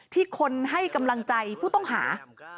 ที่คนให้กำลังใจผู้ต้องหา